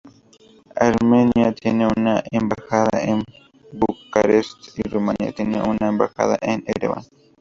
Armenia tiene una embajada en Bucarest y Rumania tiene una embajada en Ereván.